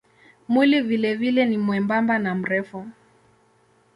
Mwili vilevile ni mwembamba na mrefu.